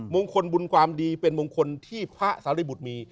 มงคลบุญความดีเป็นมงคลที่พระสาริบุตรมี